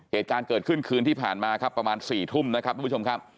เหตุการณ์เกิดขึ้นคืนที่ผ่านมาครับประมาณ๔ทุ่มนะครับทุกผู้ชมครับ